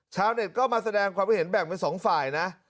ชาวเน็ตก็มาแสดงความคิดเห็นแบ่งเป็นสองฝ่ายนะ